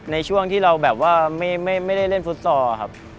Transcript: ในช่วงที่เราแบบว่าไม่ได้เล่นฟุตซอลครับ